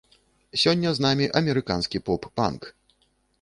Сёння з намі амерыканскі поп-панк.